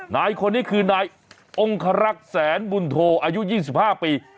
นายคนนี้คือนายองคารักษ์แสนบุญโทอายุ๒๕ปี